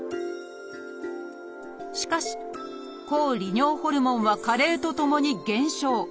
しかし抗利尿ホルモンは加齢とともに減少。